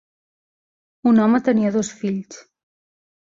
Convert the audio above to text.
Un home tenia dos fills.